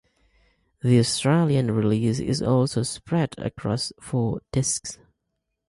The Australian release is also spread across four discs.